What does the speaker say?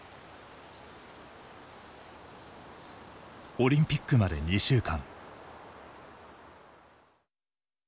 オリンピックまで２週間。